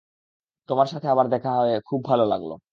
তোমার সাথে আবার দেখা হয়ে খুব ভালো লাগলো।